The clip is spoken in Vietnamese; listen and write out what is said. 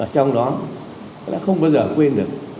trong đó không bao giờ quên được